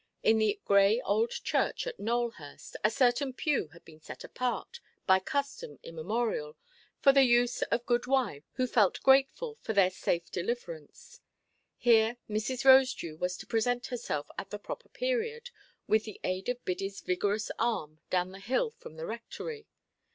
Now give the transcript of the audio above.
In the grey old church at Nowelhurst, a certain pew had been set apart, by custom immemorial, for the use of goodwives who felt grateful for their safe deliverance. Here Mrs. Rosedew was to present herself at the proper period, with the aid of Biddyʼs vigorous arm down the hill from the Rectory.